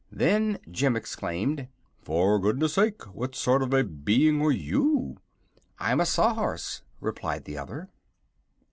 Then Jim exclaimed: "For goodness sake, what sort of a being are you?" "I'm a Sawhorse," replied the other.